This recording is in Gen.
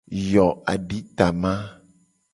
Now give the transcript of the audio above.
Yo aditama.